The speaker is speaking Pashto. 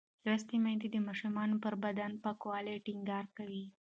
لوستې میندې د ماشوم پر بدن پاکوالی ټینګار کوي.